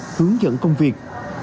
để hướng dẫn công việc